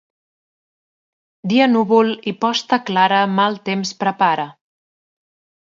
Dia núvol i posta clara mal temps prepara.